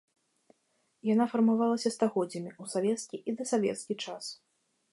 Яна фармавалася стагоддзямі ў савецкі і дасавецкі час.